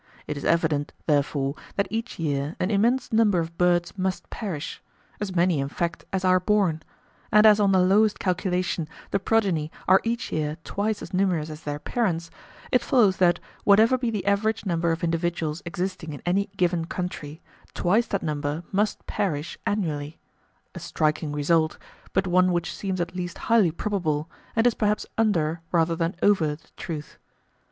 It is evident, therefore, that each year an immense number of birds must perish as many in fact as are born; and as on the lowest calculation the progeny are each year twice as numerous as their parents, it follows that, whatever be the average number of individuals existing in any given country, twice that number must perish annually, a striking result, but one which seems at least highly probable, and is perhaps under rather than over the truth.